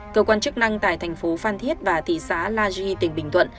cơ quan chức năng tại thành phố phan thiết và thị xá la gie tỉnh bình thuận